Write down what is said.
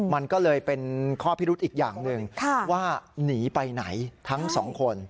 มันก็เลยเป็นข้อพิรุธอีกอย่างหนึ่งว่าหนีไปไหนทั้งสองคน